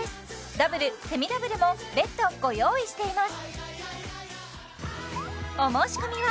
ダブルセミダブルも別途ご用意しています